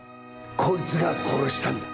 こいつが殺したんだ。